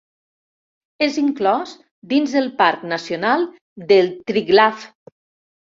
És inclòs dins el parc nacional del Triglav.